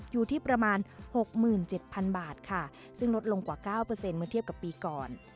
อยู่ที่ประมาณ๖๗๐๐บาทค่ะซึ่งลดลงกว่า๙เมื่อเทียบกับปีก่อน